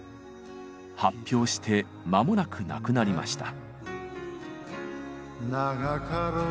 発表して間もなく亡くなりました。